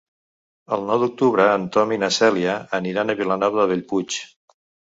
El nou d'octubre en Tom i na Cèlia aniran a Vilanova de Bellpuig.